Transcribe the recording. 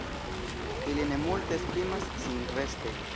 Ili ne multe esprimas sin veste.